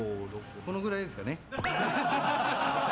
このぐらいですかね。